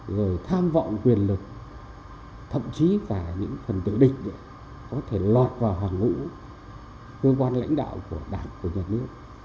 rồi tham vọng quyền lực thậm chí cả những phần tử địch có thể lọt vào hàng ngũ cơ quan lãnh đạo của đảng của nhà nước